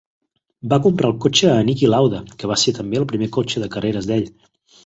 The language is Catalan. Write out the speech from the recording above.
Va comprar el cotxe a Niki Lauda, que va ser també el primer cotxe de carreres d'ell.